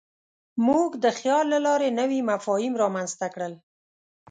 موږ د خیال له لارې نوي مفاهیم رامنځ ته کړل.